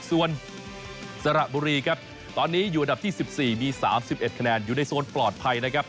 ส่วนสระบุรีครับตอนนี้อยู่อันดับที่๑๔มี๓๑คะแนนอยู่ในโซนปลอดภัยนะครับ